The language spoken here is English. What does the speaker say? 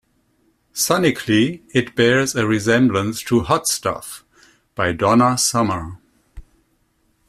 Sonically, it bears a resemblance to "Hot Stuff" by Donna Summer.